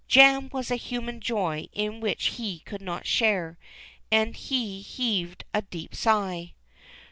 Jam was a human joy in which he could not share, and he heaved a deep sigh.